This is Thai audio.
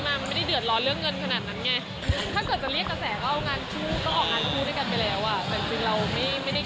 การว่ายืนอยู่อย่างนี้บางทีมันก็เหนื่อยนิดหนึ่ง